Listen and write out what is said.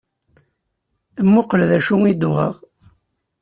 Mmuqqel d acu i d-uɣeɣ.